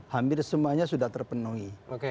hampir semuanya sudah terpenuhi